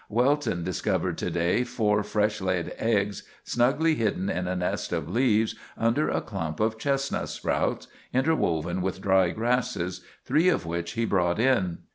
Welton discovered to day four fresh laid eggs, snugly hidden in a nest of leaves, under a clump of chestnut sprouts, interwoven with dry grasses, three of which he brought in."